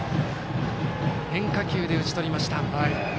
変化球で打ち取りました。